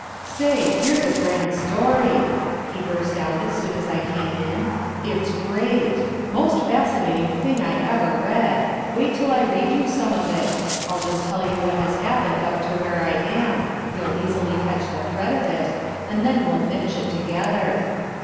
"Say, here's a grand story," he burst out as soon as I came in; "it's great! most fascinating thing I ever read. Wait till I read you some of it. I'll just tell you what has happened up to where I am you'll easily catch the thread of it and then we'll finish it together."